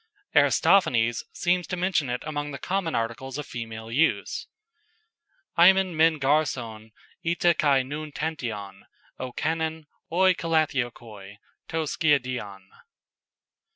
"] Aristophanes seems to mention it among the common articles of female use "aemin men gar son eti kai nun tantion, o kanon, oi kalathiokoi, to skiadeion."